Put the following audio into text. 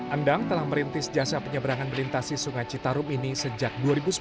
endang telah merintis jasa penyeberangan melintasi sungai citarum ini sejak dua ribu sepuluh